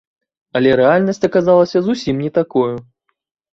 Але рэальнасць аказалася зусім не такою.